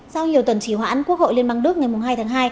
sau nhiều tuần trì hoãn quốc hội liên bang đức ngày hai tháng hai